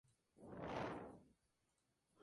La prisión lleva el nombre de esta región de Alden.